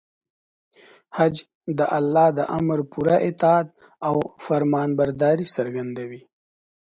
حج د الله د امر پوره اطاعت او فرمانبرداري څرګندوي.